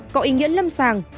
có ý nghĩa lâm sàng